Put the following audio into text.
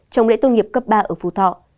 trong lễ tôn nghiệp cấp ba ở phú thọ